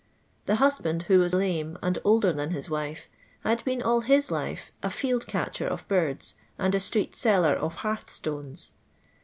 The husband, who was lame, and older than his wife, had been all hi* life a field catcher of birds, and a street seller of hearth stones.